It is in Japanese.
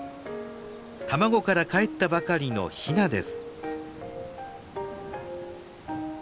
卵からかえったばかりのヒナです。